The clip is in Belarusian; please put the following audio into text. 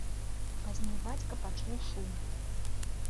Пазней бацька пачуў шум.